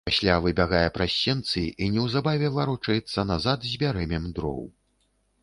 Пасля выбягае праз сенцы і неўзабаве варочаецца назад з бярэмем дроў.